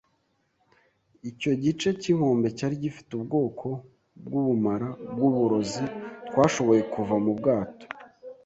icyo gice cyinkombe cyari gifite ubwoko bwubumara bwuburozi. Twashoboye kuva mu bwato